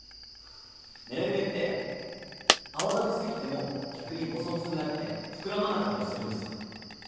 メレンゲって泡立て過ぎても逆にぼそぼそになって膨らまなかったりするんですよ。